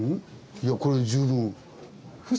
いやこれで十分。